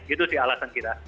itu sih alasan kita